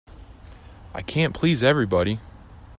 I can't please everybody.